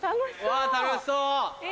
わ楽しそう！